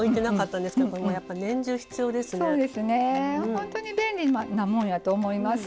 本当に便利なもんやと思います。